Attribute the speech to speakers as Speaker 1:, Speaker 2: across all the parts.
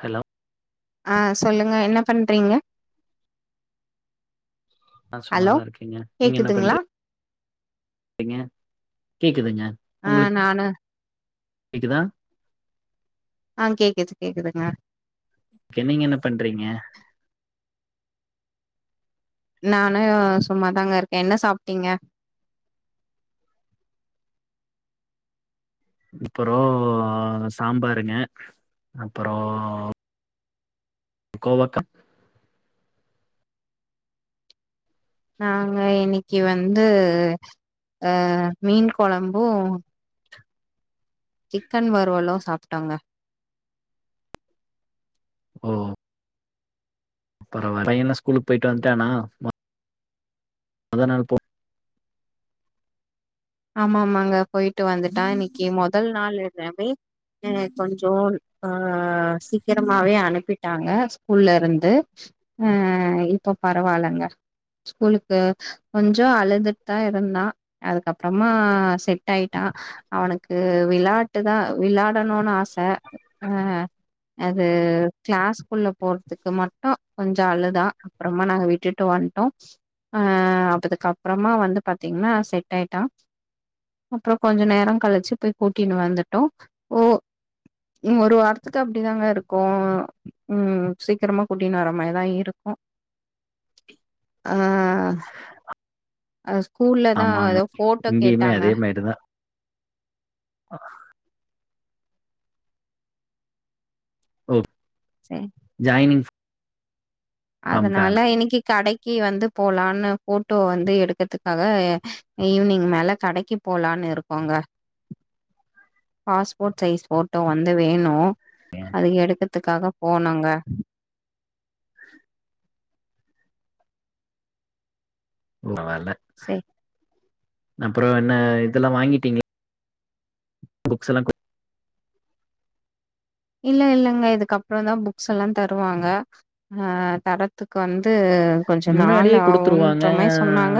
Speaker 1: Hello
Speaker 2: ஆஹ் சொல்லுங்க என்ன பண்றீங்க.
Speaker 1: ஆஹ்
Speaker 2: ஹலோ
Speaker 1: சும்மாதான் இருக்கேங்க நீங்க என்ன
Speaker 2: கேக்குதுங்களா
Speaker 1: பண்றீ எங்க கேக்குதுங்க.
Speaker 2: ஆஹ்
Speaker 1: உங்களுக்கு
Speaker 2: நானு
Speaker 1: கேக்குதா
Speaker 2: ஆஹ் கேக்குது கேக்குதுங்க
Speaker 1: கே நீங்க என்ன பண்றீங்க
Speaker 2: நானு உ சும்மாதாங்க இருக்கே. என்ன சாப்ட்டீங்க.
Speaker 1: அப்புறோ சாம்பாருங்க அப்புறோ கோவக்கா
Speaker 2: நாங்க இன்னிக்கு வந்து அஹ் மீன் குழம்போ சிக்கன் வருவலோ சாப்டோங்க.
Speaker 1: ஓ அப்புறோ வர என்ன ஸ்கூலுக்கு போயிட்டு வந்துடானா. மொத நாள் போ
Speaker 2: ஆமா ஆமாங்க போயிட்டு வந்துட்டான். இன்னைக்கு முதல் நாளுன்னவே கொஞ்சோ அஹ் சீக்கிரமாவே அனுப்பிட்டாங்க ஸ்கூல்ல இருந்து அஹ் இப்ப பரவாயில்லங்க ஸ்கூலுக்கு கொஞ்சோ அழுதுட்டுதா இருந்தா அதுக்கப் அப்புறமா செட் ஆயிட்டா அவனுக்கு விளையாட்டு தா விளாயாடனும்னு ஆச. ஆஹ் அது கிளாஸ்க்குள்ள போறதுக்கு மட்டோ கொஞ்சோ அழுதா அப்புறமா நாங்க விட்டுட்டு வந்துட்டோ ஆஆ அதுக்கு அப்புறமா வந்து பாத்தீங்கன்னா செட் ஆயிட் டா அப்புறோ கொஞ்ச நேரோ கழிச்சு போய் கூட்டினு வந்துட்டோம் ஓ ஒரு வாரத்துக்கு அப்டிதாங்க இருக்கோ உஹம் சீக்கிரமா கூட்டின்னு வர மாரிதா இருக்கோ அஹ் அ ஸ்கூல்லதா
Speaker 1: ஆமாங்க
Speaker 2: ஏதோ போட்டோ
Speaker 1: இங்கேயுமே
Speaker 2: கேட்டாங்க
Speaker 1: அதே மாரிதா ஓ
Speaker 2: சரி
Speaker 1: ஜாய்னிங்
Speaker 2: அதனால இன்னிக்கி கடைக்கி வந்து போலான்னு ஃபோட்டோ வந்து எடுக்கத்துக்காக ஈவினிங் மேல கடைக்கி போலான்னு இருக்கோங்க. பாஸ்போர்ட் சைஸ் ஃபோட்டோ வந்து வேணு. அது எடுக்க த்துக்காக போனோங்க.
Speaker 1: உன்னால
Speaker 2: சே
Speaker 1: அப்றோ என்ன இதெல்லா வாங்கிட்டிங் புக்ஸ்செலா கு
Speaker 2: இல்ல இல்லங்க இதுக்கப்றொந்தா புக்ஸ்ஸெல்லா தருவாங்க ஆஹ் தரத்துக் வந் து கொஞ்சொ நாள்
Speaker 1: முன்னாடியே குடுத்துருவாங்க
Speaker 2: ஆகுன்ற மாரி சொன்னாங்க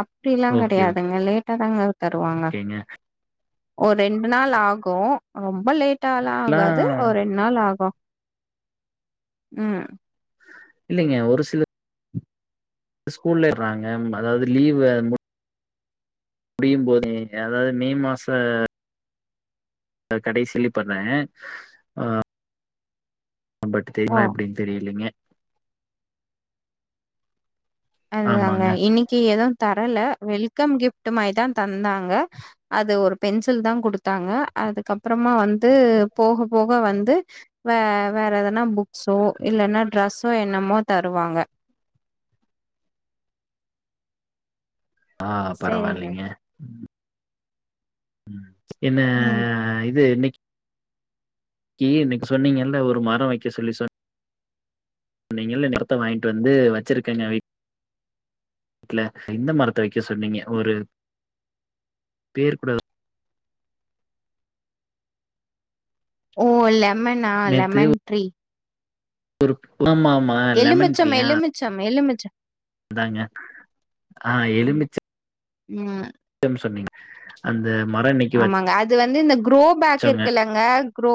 Speaker 2: அப்டில்லா
Speaker 1: ஓகே
Speaker 2: கெடையாதுங்க லேட் டாதாங்க தருவாங்க
Speaker 1: ஓகேங்க
Speaker 2: ஒரெண்டு நாள் ஆகு ரொம்ப லேட் டாலா
Speaker 1: எல்லா
Speaker 2: ஆகாது ஒரெண்ட் நாள் ஆகு உம்
Speaker 1: இல்லைங்க ஒரு சில ஸ்கூல்லட்றாங்க அதாவது லீவு முடியும் போதே அதாது மே மாச அ கடைசில பண்ணே ஆஹ் பட்
Speaker 2: ஓ
Speaker 1: தேங்ளா எப்டின் தெரிய்லிங்க
Speaker 2: அதாங்க
Speaker 1: ஆமாங்க
Speaker 2: இன்னிக்கி எதுவ் த ரல வெல்கம் கிஃப்டு மாய்தா தந்தாங்க அது ஒரு பென்சில் தா குடுத்தாங்க அதுக்கப்றமா வந்து போக போக வந்து வ வேற எதனா புக்ஸோ இல்லன்னா ட்ரெஸ்ஸோ என்னமோ தருவாங்க
Speaker 1: ஆஹ்
Speaker 2: சரிங்க.
Speaker 1: பரவால்லைங்க உம் என்னே
Speaker 2: ம்.
Speaker 1: இது இன்னைக் கி இன்னிக் சொன்னிங்கல்ல ஒரு மரோ வெக்க சொல்லி சொன் சொன்னிங்கள்ல நத்த வாங்கிட்டு வந்து வெச்சிருக்கங்க வீட் ல எந்த மரத்த வைக்க சொன்னிங்க ஒரு பேர் கூட
Speaker 2: ஓ இல்ல ம்மன்னா லெமன் ட்ரீ
Speaker 1: ஒருப்
Speaker 2: எலுமிச்சம் எலுமிச்சம் எலுமிச் ச
Speaker 1: அதாங்க ஆஹ்
Speaker 2: ம்.
Speaker 1: எலுமிச்ச
Speaker 2: [unintelligible]
Speaker 1: டம் சொன்னிங் அந்
Speaker 2: ஆமாங்க அது வந்து இந்த குரோ பேக்
Speaker 1: வச்சோங்க
Speaker 2: இருக்குல்லங்க குரோ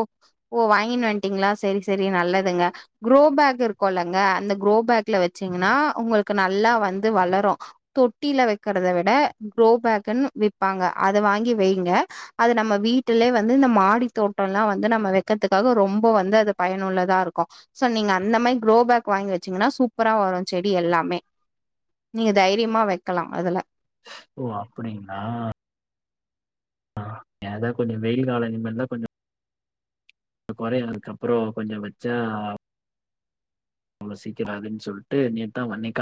Speaker 2: ஓ வாங்கினு வன்டிங்ளா செரி செரி நல்லதுங்க குரோ பேக் இருக்கோலங்க அந்த குரோ பேக்ல வெச்சிங்கனா உங்களுக்கு நல்லா வந்து வளரு தொட்டில வக்கிறத விட குரோ பேக்குன் விப்பாங்க அத வாங்கி வெய் க அது நம்ம வீட்டுலே வந்து இந்த மாடி தோட்டோலா வந்து நம்ம வெக்கெற்துக்காக ரொம்பொ வந்து அது பயனுள்ளதா இருக்கு சோ நீங்க அந்த மாய் குரோ பேக் வாங்கி வச்சிங்கனா சூப்பரா வரு செடி எல்லாமே நீங்க தைரியமா வைக்கலா அதுல
Speaker 1: ஓ அப்படிங்ளா ஆஹ் ஏதா கொஞ்சொ வெயில் காலொ இனிமேல்தா கொஞ்சொ குறையறக்கப்புறோ கொஞ்சொ வச்சா அவ்ளோ சீக்கிராதுன்னு சொல்ட்டு நேத்தா வன்னிக்க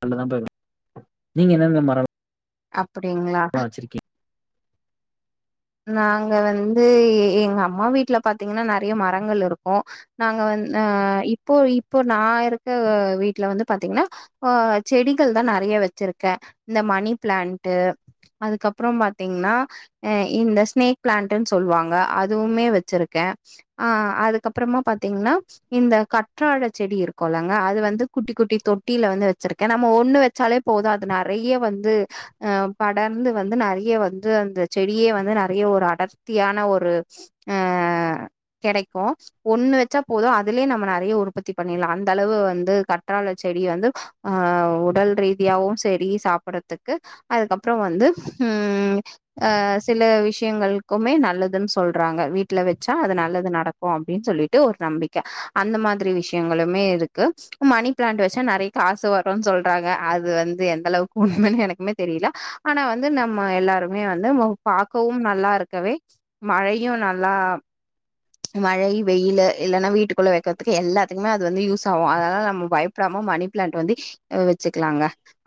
Speaker 1: நல்லதா பேவ் நீங்க என்னென்ன மரொல்
Speaker 2: அப் பிடிங்ளா நாங்க வந்து எ எங்க அம்மா வீட்டுல பாத்தீங்கன்னா நெறைய மரங்கள் இருக்கு நாங்க வந்து இப்போ இப்போ நா இருக்க வீட்டுல வந்து பாத்தீங்கன்னா ஆ செடிகள் தா நெறய வெச்சிருக்கே இந்த மணி பிளான்டு அதுக்கப்பறோ பாத்தீங்கன்னா அ இந்த ஸ்னேக் பிளான்டுன்னு சொல்லுவாங்க அதுவுமே வெச்சிருக்கே ஆ அதுக்கப்பறோமா பார்த்தீங்கன்னா இந்த கற்றால செடி இருக்கும்மில்லேங்க அது வந்து குட்டி குட்டி தொட்டியில வந்து வெச்சிருக்கே நம்ம ஒண்ணு வச்சாலே போது அது நெறைய வந்து ஹ படர்ந்து வந்து நெறைய வந்து அந்த செடி இப்பயே வந்து நெறைய ஒரு அடர்த்தியான ஒரு ஆ கெடைக்கு ஒண்ணு வெச்சா போது அதுலயே நம்ம நெறைய உற்பத்தி பண்ணிடலா அந்த அளவு வந்து கற்றால செடி வந்து ஆ உடல் ரீதியாவு செரி சாப்படறதுக்கு அதுக்கப்பறோ வந்து ம் ஆ சில விஷயங்களுக்குமே நல்லதுன்னு சொல்றாங்க வீட்டுல வெச்சா அது நல்லது நடக்கு அப்படின்னு சொல்லிட்டு ஒரு நம்பிக்கை அந்த மாதிரி விஷயங்களுமே இருக்கு மணி பிளான்ட் வெச்சா நெறைய காசு வரும்ன்னு சொல்றாங்க அது வந்து எந்த அளவுக்கு உண்மைன்னு எனக்குமே தெரியல ஆனா வந்து நம்ம எல்லாருமே வந்து மொ பார்க்கவு நல்லா இருக்கவே மழையு நல்லா மழை வெயிலு இல்லைன்னா வீட்டுக்குள்ளே வெக்கறதுக்கு எல்லாத்துக்குமே அது வந்து யூஸ் ஆகு அதாலா நம்ம பயப்படாம மணி பிளான்ட் வந்து வெச்சுக்கலாங்க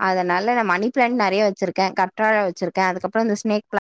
Speaker 2: அதனால நா மணி பிளான்ட் நெறைய வெச்சிருக்கே கற்றாழ வெச்சிருக்கே அதுக்கப்பறோ இந்த ஸ்னேக் பிளான்